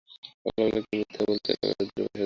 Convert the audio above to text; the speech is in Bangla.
সকালবেলা কি মিথ্যে বলতে এলাম দুটো পয়সার জন্য?